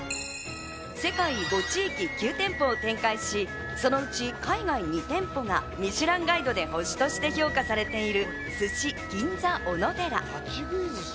世界５地域９店舗を展開し、そのうち海外２店舗が『ミシュランガイド』で星として評価されている鮨